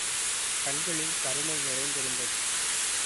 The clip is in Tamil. கண்களில் கருணை நிறைந்திருந்தது.